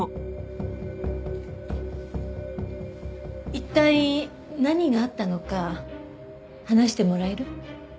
一体何があったのか話してもらえる？